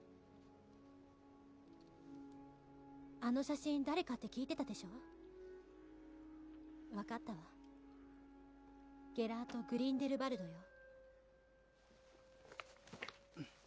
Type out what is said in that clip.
あの写真誰かって聞いてたでしょ分かったわゲラート・グリンデルバルドよ